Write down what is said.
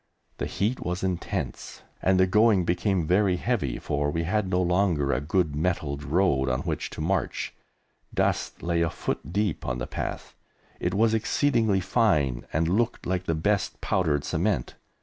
The heat was intense, and the going became very heavy, for we had no longer a good metalled road on which to march. Dust lay a foot deep on the path; it was exceedingly fine and looked like the best powdered cement.